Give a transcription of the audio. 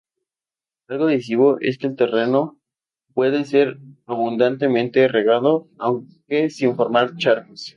Algo decisivo es que el terreno pueda ser abundantemente regado, aunque sin formar charcos.